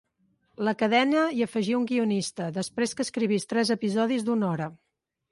La cadena hi afegí un guionista, després que escrivís tres episodis d'una hora.